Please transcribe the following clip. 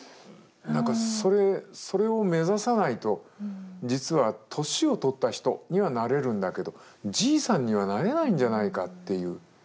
何かそれそれを目指さないと実は年を取った人にはなれるんだけどじいさんにはなれないんじゃないかっていう。